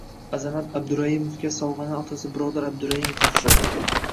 Azamat Abduraimovga sovg‘ani otasi Birodar Abduraimov topshirdi